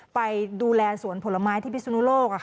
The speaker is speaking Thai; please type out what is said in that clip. ไปดูแลศูนย์ผลไม้บิศนุโรค